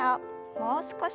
もう少し。